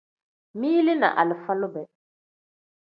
Mili ni alifa lube.